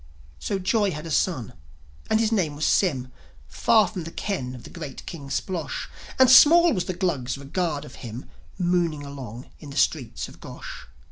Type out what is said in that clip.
So Joi had a son, and his name was Sym; Far from the ken of the great King Splosh. And small was the Glugs' regard of him, Mooning along in the streets of Gosh.